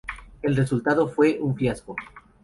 El resultado fue un fiasco.